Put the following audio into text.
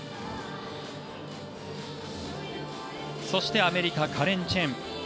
そして、アメリカカレン・チェン。